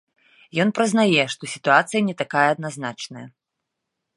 Ён прызнае, што сітуацыя не такая адназначная.